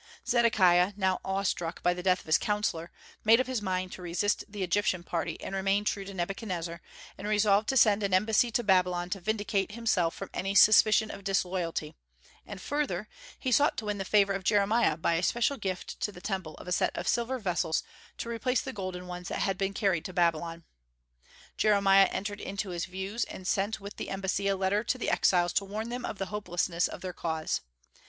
Zedekiah, now awe struck by the death of his counsellor, made up his mind to resist the Egyptian party and remain true to Nebuchadnezzar, and resolved to send an embassy to Babylon to vindicate himself from any suspicion of disloyalty; and further, he sought to win the favor of Jeremiah by a special gift to the Temple of a set of silver vessels to replace the golden ones that had been carried to Babylon. Jeremiah entered into his views, and sent with the embassy a letter to the exiles to warn them of the hopelessness of their cause.